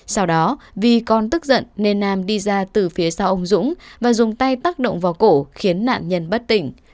sau đó vì con tức giận nên nam đi ra từ phía sau ông dũng và dùng tay tác động vào cổ khiến nạn nhân bất tỉnh